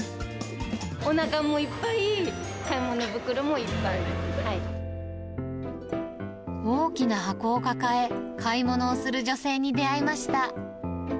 おなかもいっぱい、大きな箱を抱え、買い物をする女性に出会いました。